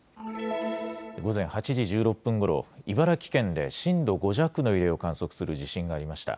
午前８時１６分ごろ、茨城県で震度５弱の揺れを観測する地震がありました。